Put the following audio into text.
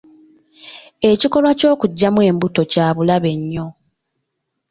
Ekikolwa ky'okuggyamu embuto kya bulabe nnyo